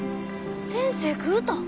先生食うた。